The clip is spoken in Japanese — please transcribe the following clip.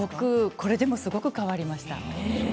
これでもすごく変わりました。